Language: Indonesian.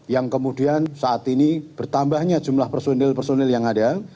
yang kemudian saat ini bertambahnya jumlah personil personil yang ada